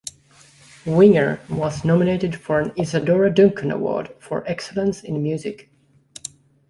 Winger was nominated for an Isadora Duncan Award for Excellence in Music.